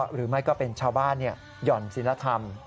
หรือไม่ก็เป็นชาวบ้านหย่อนศิลธรรม